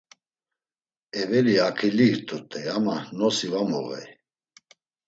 Eveli, aǩilli it̆urt̆ey, ama nosi va muğey.